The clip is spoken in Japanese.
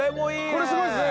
これすごいですね！